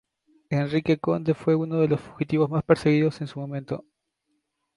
Enrique Conde fue uno de los fugitivos más perseguidos en su momento.